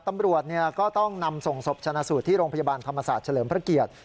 ตำรวจก็ต้องนำส่งศพชนะสูตรที่โรงพยาบาลธรรมศาสตร์เฉลิมพระเกียรติ